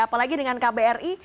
apalagi dengan kbri